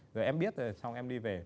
rồi em biết rồi xong em đi về